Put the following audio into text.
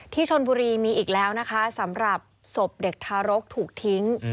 ชนบุรีมีอีกแล้วนะคะสำหรับศพเด็กทารกถูกทิ้ง